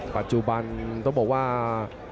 ปัจจุบันต้องบอกว่า